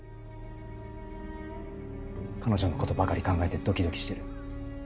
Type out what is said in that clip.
彼女のことばかり考えてドキドキしてる。